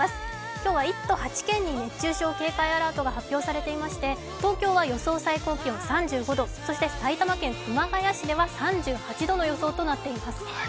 今日は１都８県に熱中症警戒アラートが発表されていて東京は予想最高気温３５度、そして埼玉県熊谷市では３８度の予想となっています。